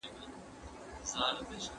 موږ عملي مثالونه حلوو.